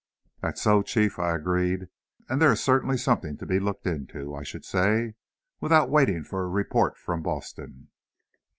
"That's so, Chief," I agreed, "and there is certainly something to be looked into, I should say, without waiting for a report from Boston."